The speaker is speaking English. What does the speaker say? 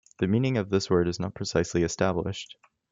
The meaning of this word is not precisely established.